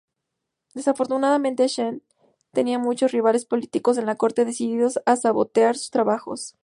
Desafortunadamente, Shen tenía muchos rivales políticos en la corte decididos a sabotear sus trabajos.